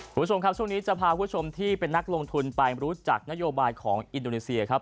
คุณผู้ชมครับช่วงนี้จะพาคุณผู้ชมที่เป็นนักลงทุนไปรู้จักนโยบายของอินโดนีเซียครับ